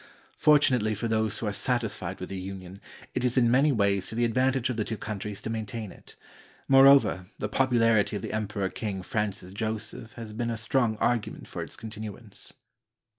Fortu nately for those who are satisfied with the union, it is in many ways to the advantage of the two countries to main tain it; moreover, the popularity of the Emperor King Francis Joseph has been a strong argument for its continu ance.